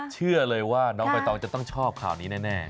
เชื่อเลยว่าน้องใบตองจะต้องชอบข่าวนี้แน่